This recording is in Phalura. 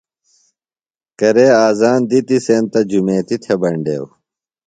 کرے آذان دِتی سینتہ جُمیتی تھےۡ بینڈیوۡ۔